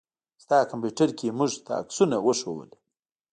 ستا کمپيوټر کې يې موږ ته عکسونه وښودله.